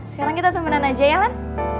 sekarang kita temenan aja ya lan